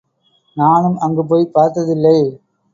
நானும் அங்கு போய்ப் பார்த்ததில்லை.